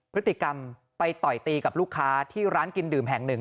พฤติกรรมไปต่อยตีกับลูกค้าที่ร้านกินดื่มแห่งหนึ่ง